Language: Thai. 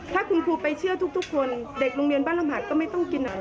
ถ้าคุณครูไปเชื่อทุกคนเด็กโรงเรียนบ้านลำหัดก็ไม่ต้องกินอาหาร